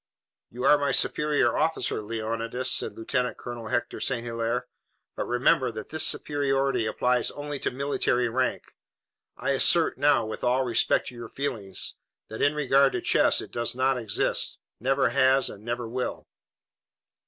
"You are my superior officer, Leonidas," said Lieutenant Colonel Hector St. Hilaire, "but remember that this superiority applies only to military rank. I assert now, with all respect to your feelings, that in regard to chess it does not exist, never has and never will."